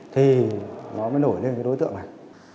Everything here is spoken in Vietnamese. thì nó mới nổi lên cái đối tượng này